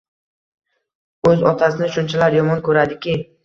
O`z otasini shunchalar yomon ko`radiki